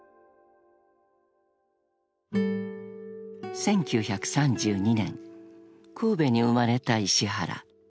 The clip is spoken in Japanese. ［１９３２年神戸に生まれた石原］